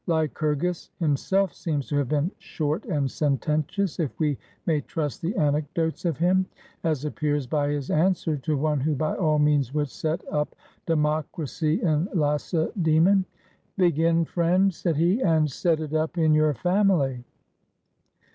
Lycurgus himself seems to have been short and sententious, if we may trust the anecdotes of him ; as appears by his answer to one who by all means would set up democracy in Lacedaemon. "Begin, friend," said he, "and set it up in your family."